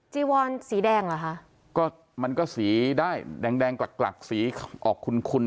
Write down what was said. จีวอนสีแดงเหรอคะก็มันก็สีได้แดงกลักสีออกคลุน